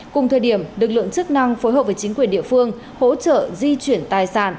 cùng thời điểm lực lượng chức năng phối hợp với chính quyền địa phương hỗ trợ di chuyển tài sản